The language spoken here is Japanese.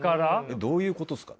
どういうことですかね。